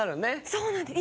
そうなんです。